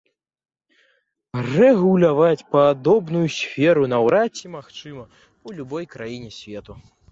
Рэгуляваць падобную сферу наўрад ці магчыма ў любой краіне свету.